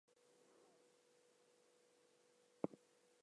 Though more agile than humans, they tend to be physically weaker as well.